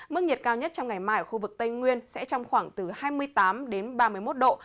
mức nhiệt cao nhất trong ngày mai ở khu vực tây nguyên sẽ trong khoảng từ hai mươi tám đến ba mươi một độ